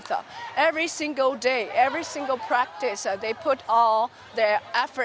setiap hari setiap latihan mereka melakukan semua perjuangan mereka